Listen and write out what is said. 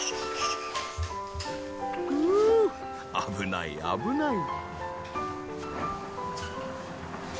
ふう危ない危ない。